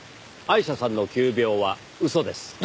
アイシャさんの急病は嘘です。